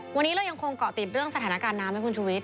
วันนี้เรายังคงเกาะติดเรื่องสถานการณ์น้ำให้คุณชุวิต